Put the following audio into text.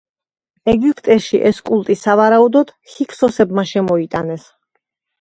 ეგვიპტეში ეს კულტი სავარაუდოდ, ჰიქსოსებმა შემოიტანეს.